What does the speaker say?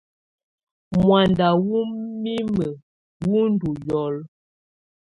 Muanda wɔ́ mimǝ́ wú ndɔ́ lulǝ́.